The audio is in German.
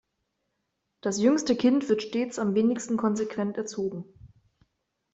Das jüngste Kind wird stets am wenigsten konsequent erzogen.